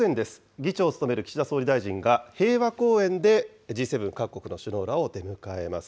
議長を務める岸田総理大臣が、平和公園でＧ７各国の首脳らを出迎えます。